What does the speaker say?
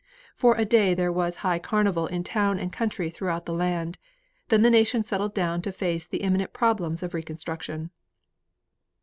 For a day there was high carnival in town and country throughout the land, then the nation settled down to face the imminent problems of reconstruction.